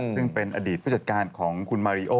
ซึ่งเป็นอดีตผู้จัดการของคุณมาริโอ